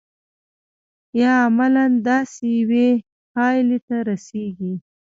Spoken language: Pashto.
یا عملاً داسې یوې پایلې ته رسیږي.